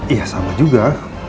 iya sama juga